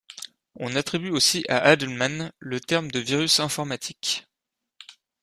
On attribue aussi à Adleman le terme de virus informatique.